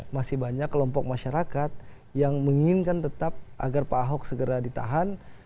masih banyak kelompok masyarakat yang menginginkan tetap agar pak ahok segera ditahan